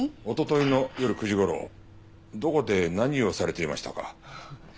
おとといの夜９時頃どこで何をされていましたか？